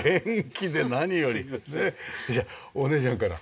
じゃあお姉ちゃんから。